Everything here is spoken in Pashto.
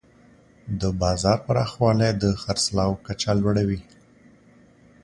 د بازار پراخوالی د خرڅلاو کچه لوړوي.